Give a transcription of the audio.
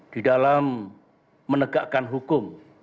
di dalam menegakkan hukum